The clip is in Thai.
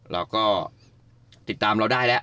เราก็ติดตามเราได้แล้ว